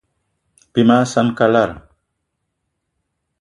Bí mag saan kalara.